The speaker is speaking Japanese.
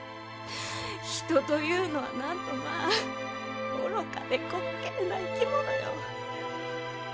人というのはなんとまぁ愚かで滑稽な生き物よ。